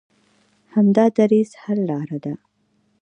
همدا دریځ حل لاره ده.